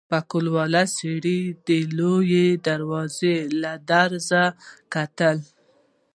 پکولي سړي د لويې دروازې له درزه کتل.